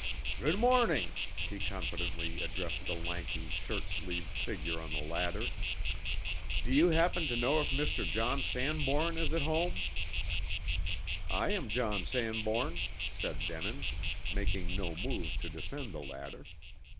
"Good morning!" he confidently addressed the lanky, shirt sleeved figure on the ladder. "Do you happen to know if Mr. John Sanbourne is at home?" "I am John Sanbourne," said Denin, making no move to descend the ladder.